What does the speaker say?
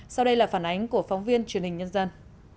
sau đây là phản ánh của phóng viên truyền hình nhân dân